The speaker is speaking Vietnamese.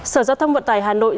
sở giao thông vận tải hà nội